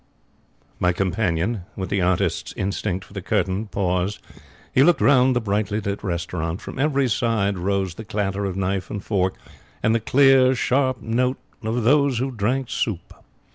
My companion, with the artist's instinct for the 'curtain', paused. He looked round the brightly lit restaurant. From every side arose the clatter of knife and fork, and the clear, sharp note of those who drank soup.